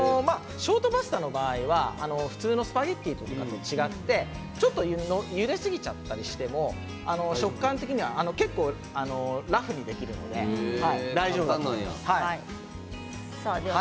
ショートパスタは普通のスパゲッティと違ってゆですぎちゃったりしても食感を損なわない結構ラフにできるので大丈夫だと思います。